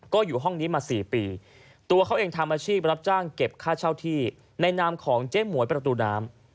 ก็อยู่ห้องนี้มา๔ปีตัวเขาเองทำอาชีพรับจ้างเก็บค่าเช่าที่ในนามของเจ๊หมวยประตูน้ำ